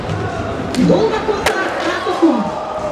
Долга коса краток ум.